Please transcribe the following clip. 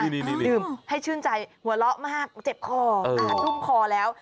นี่ให้ชื่นใจหัวเราะมากเจ็บคอทุ่มคอแล้ว